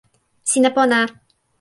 sina pona!